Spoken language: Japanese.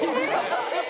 えっ？